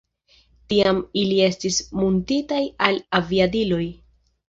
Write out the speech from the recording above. Tiam ili estis muntitaj al aviadiloj.